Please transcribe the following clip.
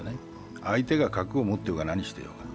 相手が核を持っていようが何しようが。